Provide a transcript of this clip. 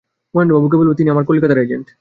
মহেন্দ্রবাবুকে বলিবে, তিনি আমার কলিকাতার এজেণ্ট।